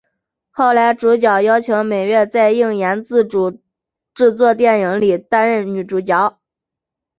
后来主角邀请美月在映研自主制作电影里担任女主角。